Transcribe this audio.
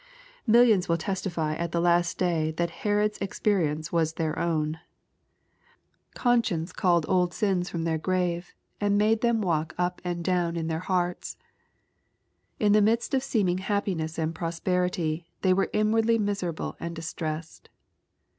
Millions will testify at the last day that Herod's experi ence was their own. Conscience called old sins from their graves^ and made them walk up and down in tbeii LUKE, CHAP. IX. 297 hearts. In the midst of seeming happiness and prosper i ity they were inwardly miserable and distressed.